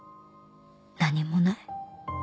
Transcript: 何もない」